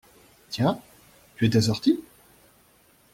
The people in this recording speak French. Tiens… tu étais sorti ?…